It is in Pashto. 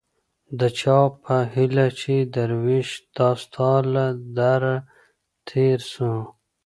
د چا په هيله چي دروېش دا ستا له دره تېر سو